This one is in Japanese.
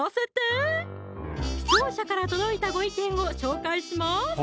視聴者から届いたご意見を紹介します